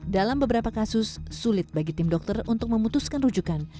dalam beberapa kasus sulit bagi tim dokter untuk memutuskan rujukan